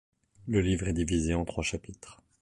Le livre est divisé en trois chapitres.